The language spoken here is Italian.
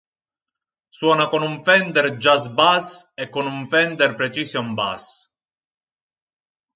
Suona con un Fender Jazz Bass e con un Fender Precision Bass.